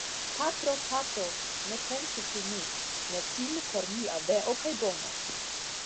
Patro, patro, ne pensu pri mi; ne timu por mia veo kaj bono.